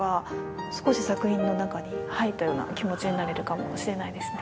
少し作品の中に入ったような気持ちになれるかもしれないですね。